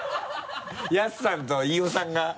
やすさんと飯尾さんが。